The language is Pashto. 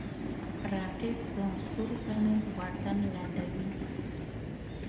راکټ د ستورو ترمنځ واټن لنډوي